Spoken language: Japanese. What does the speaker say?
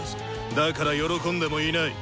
だから喜んでもいない！